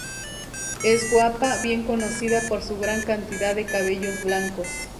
Es guapa, bien conocida por su gran cantidad de cabellos blancos.